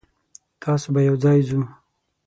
تاسو به یوځای ځو.